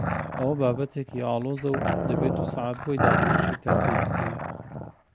ئەوە بابەتێکی ئاڵۆزە و دەبێ دوو سەعات بۆی دابنیشی تا تێی بگەی.